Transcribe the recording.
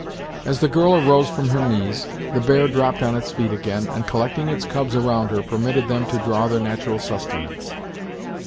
As the girl arose from her knees, the bear dropped on its feet again, and collecting its cubs around her, permitted them to draw their natural sustenance.